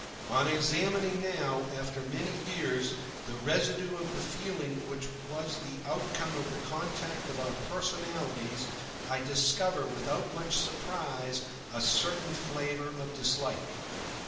On examining now, after many years, the residue of the feeling which was the outcome of the contact of our personalities, I discover, without much surprise, a certain flavour of dislike.